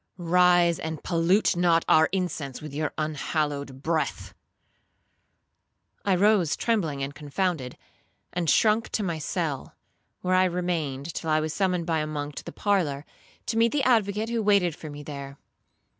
rise, and pollute not our incense with your unhallowed breath!' I rose trembling and confounded, and shrunk to my cell, where I remained till I was summoned by a monk to the parlour, to meet the advocate, who waited for me there.